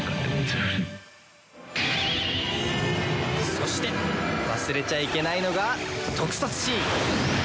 そして忘れちゃいけないのが特撮シーン！